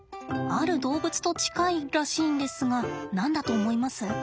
ある動物と近いらしいんですが何だと思います？